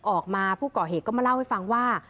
ออกมาผู้ก่อเหตุก็มาเล่าให้ฟังว่า